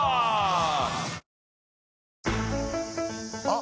あ！